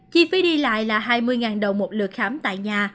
chi phí đi lại là hai mươi đồng một lượt khám tại nhà